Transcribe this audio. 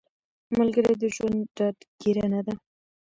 ملګری د ژوند ډاډګیرنه ده